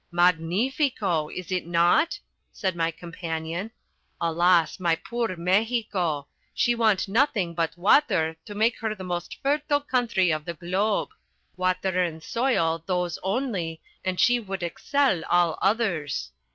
"Magnifico! Is it not?" said my companion. "Alas, my poor Mexico! She want nothing but water to make her the most fertile country of the globe! Water and soil, those only, and she would excel all others.